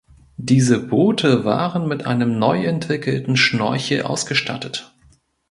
Diese Boote waren mit einem neu entwickelten Schnorchel ausgestattet.